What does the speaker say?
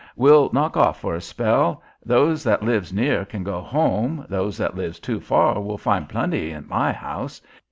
We'll knock off for a spell. Those that lives near can go home. Those that lives too far will find plenty at my house.